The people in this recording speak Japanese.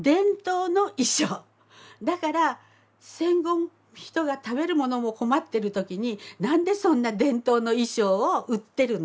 だから戦後人が食べるものも困ってる時に何でそんな伝統の衣装を売ってるんだとか。